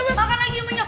makan lagi umurnya